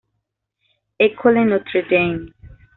École Notre Dame.